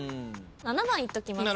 ７番いっときます。